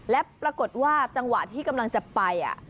และปรากฏว่าจังหวะที่กำลังจะไป